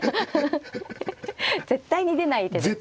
絶対に出ない手ですね。